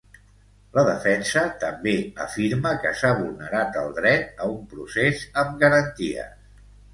La defensa també afirma que s'ha vulnerat el dret a un procés amb garanties.